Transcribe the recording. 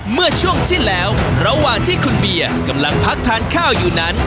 เมื่อช่วงที่แล้วระหว่างที่คุณเบียร์กำลังพักทานข้าวอยู่นั้น